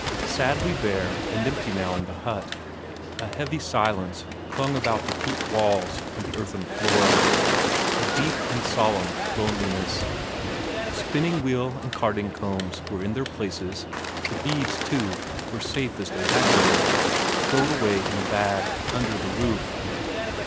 Sadly bare and empty now in the hut; a heavy silence clung about the peat walls and the earthen floor; a deep and solemn loneliness. Spinning wheel and carding combs were in their place; the beads, too, were safe as they had been, stowed away in a bag under the roof.